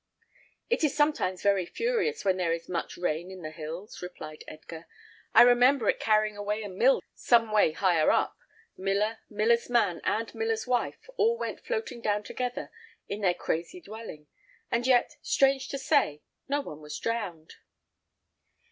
"It is sometimes very furious when there is much rain in the hills," replied Edgar. "I remember it carrying away a mill some way higher up; miller, miller's man, and miller's wife, all went floating down together in their crazy dwelling; and yet, strange to say, no one was drowned."